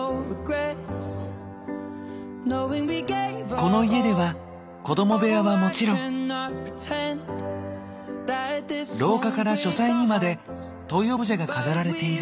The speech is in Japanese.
この家では子ども部屋はもちろん廊下から書斎にまでトイオブジェが飾られている。